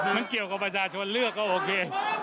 มันเกี่ยวกับประชาชนเลือกก็โอเค